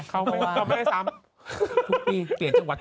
เขาไม่ได้ซ้ำ